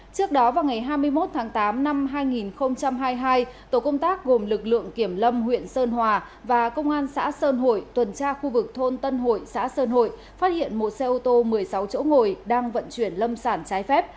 trước đó vào ngày hai mươi một tháng tám năm hai nghìn hai mươi hai tổ công tác gồm lực lượng kiểm lâm huyện sơn hòa và công an xã sơn hội tuần tra khu vực thôn tân hội xã sơn hội phát hiện một xe ô tô một mươi sáu chỗ ngồi đang vận chuyển lâm sản trái phép